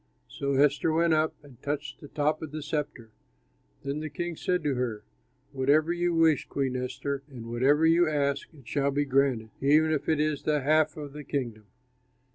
So Esther went up and touched the top of the sceptre. Then the king said to her, "Whatever you wish, Queen Esther, and whatever you ask, it shall be granted, even if it is the half of the kingdom."